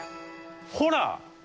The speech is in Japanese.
ほら！